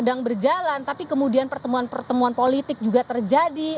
sedang berjalan tapi kemudian pertemuan pertemuan politik juga terjadi